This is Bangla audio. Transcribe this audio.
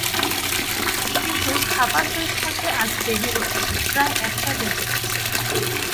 কিন্তু, খাবার তৈরি হতে আজ দেরি হচ্ছে, প্রায় একটা বেজে গেছে।